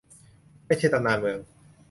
ไม่ใช่ตำนานเมือง